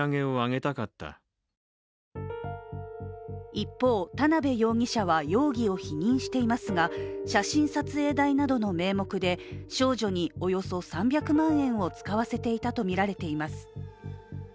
一方、田辺容疑者は容疑を否認していますが写真撮影代などの名目で、少女におよそ３００万円を使わせていたとみられています。